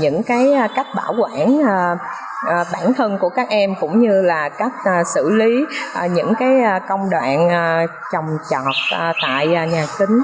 những cái cách bảo quản bản thân của các em cũng như là cách xử lý những cái công đoạn trồng trọt tại nhà kính